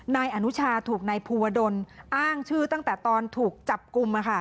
นายอนุชาถูกนายภูวดลอ้างชื่อตั้งแต่ตอนถูกจับกลุ่ม